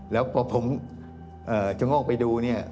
แล้วพอผมจะงอกไปดูเนี่ย